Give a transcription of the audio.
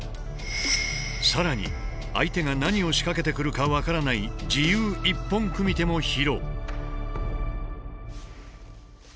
更に相手が何を仕掛けてくるか分からない「自由一本組手」も披露。